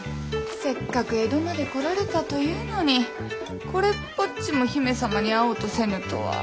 せっかく江戸まで来られたというのにこれっぽっちも姫様に会おうとせぬとは。